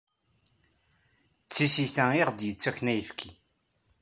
D tisita i ɣ-d-yettaken ayefki.